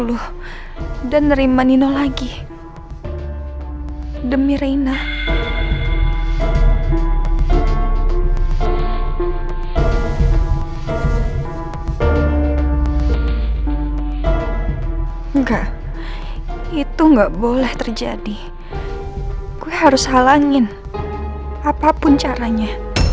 dulu dan nerima nino lagi demi reina enggak itu nggak boleh terjadi harus halangin apapun caranya